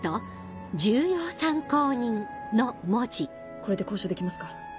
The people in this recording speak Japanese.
これで交渉できますか？